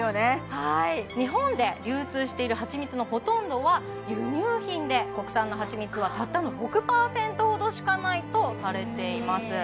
はい日本で流通しているはちみつのほとんどは輸入品で国産のはちみつはたったの６％ほどしかないとされています